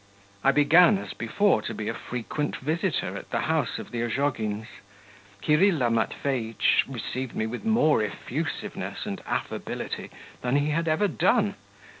I began, as before, to be a frequent visitor at the house of the Ozhogins. Kirilla Matveitch received me with more effusiveness and affability than he had ever done.